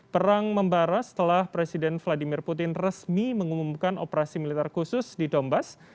perang membara setelah presiden vladimir putin resmi mengumumkan operasi militer khusus di dombas